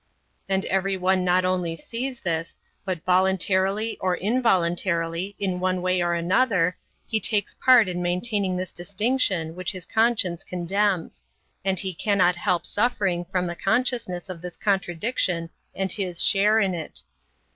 And everyone not only sees this, but voluntarily or involuntarily, in one way or another, he takes part in maintaining this distinction which his conscience condemns. And he cannot help suffering from the consciousness of this contradiction and his share in it.